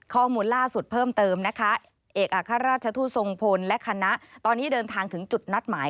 ข้อมูลล่าสุดเพิ่มเติมนะคะเอกอัครราชทูตทรงพลและคณะตอนนี้เดินทางถึงจุดนัดหมาย